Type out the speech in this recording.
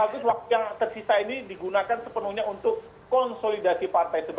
bagus waktu yang tersisa ini digunakan sepenuhnya untuk konsolidasi partai